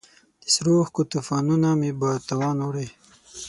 د سرو اوښکو توپانونو مې توان وړی